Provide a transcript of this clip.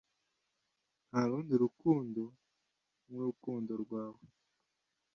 nta rundi rukundo nk'urukundo rwawe